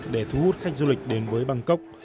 để thu hút khách du lịch đến với bangkok